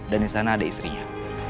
dan di sana ada istrinya